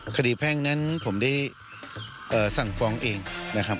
แพ่งนั้นผมได้สั่งฟ้องเองนะครับ